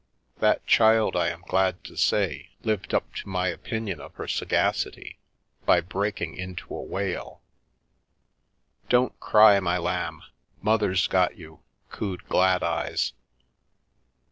That child, I am glad to say, lived up to my opinion of her sagacity by breaking into a wail. " Don't cry, my lamb, mother's got you," cooed Gladeyes.